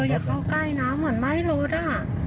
เธอยังเข้าใกล้น้ำเหมือนไมร์ฟร์ตรวจอ่ะ